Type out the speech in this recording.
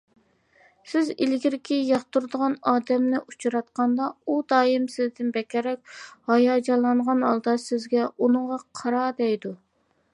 سىز ئىلگىرى ياقتۇرىدىغان ئادەمنى ئۇچراتقاندا، ئۇ دائىم سىزدىن بەكرەك ھاياجانلانغان ھالدا سىزگە «ئۇنىڭغا قارا» دەيدۇ.